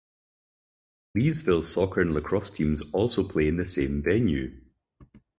Leesville soccer and lacrosse teams also play in the same venue.